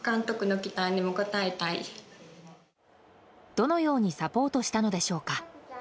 どのようにサポートしたのでしょうか。